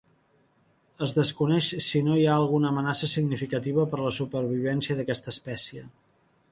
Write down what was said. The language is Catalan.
Es desconeix si no hi ha alguna amenaça significativa per a la supervivència d'aquesta espècie.